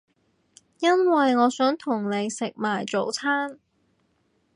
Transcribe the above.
因為我想同你食埋早餐